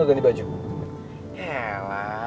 sampai jumpa lagi